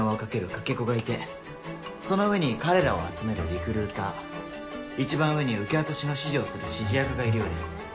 「かけ子」がいてその上に彼らを集める「リクルーター」一番上に受け渡しの指示をする「指示役」がいるようです。